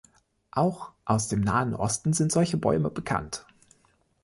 Auch aus dem Nahen Osten sind solche Bäume bekannt.